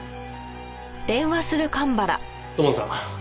土門さん